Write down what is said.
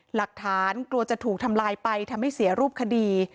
หลักฐานกลัวจะถูกทำลายไปทำให้เสียรูปคดี